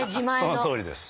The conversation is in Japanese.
そのとおりです。